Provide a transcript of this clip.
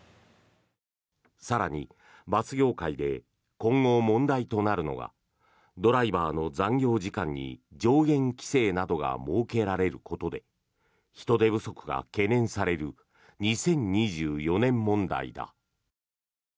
更に、バス業界で今後、問題となるのがドライバーの残業時間に上限規制などが設けられることで人手不足が懸念される２０２４年問題だ。